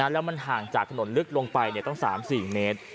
แล้วมันห่างจากถนนลึกลงไปต้อง๓๔เมตร